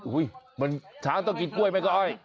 อุ้ยมันช้างต้องกินกล้วยไหมก้อย